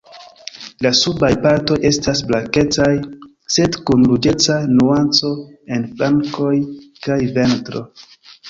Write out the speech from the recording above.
La subaj partoj estas blankecaj, sed kun ruĝeca nuanco en flankoj kaj ventro.